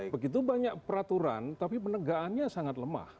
begitu banyak peraturan tapi penegaannya sangat lemah